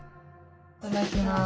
いただきます。